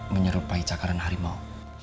menyerupai cakaran harimau